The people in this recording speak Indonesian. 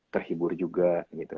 terhibur juga gitu